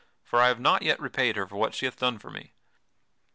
For I have not yet repaid her for what she hath done for me."